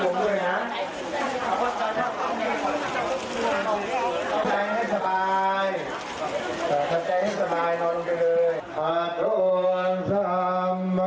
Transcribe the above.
เออน้องเบ้ต้องไม่ต้องเศร้าหรอกนะ